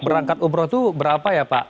berangkat umroh itu berapa ya pak